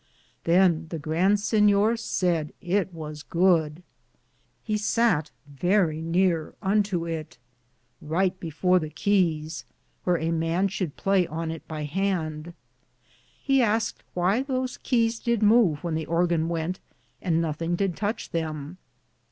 Than the Grand Sinyor sayed it was good. He satt verrie neare vnto it, ryghte before the Keaes (keys), wheare a man should playe on it by hande. He asked whye those keaes did move when the orgon wente and nothinge did tuche them.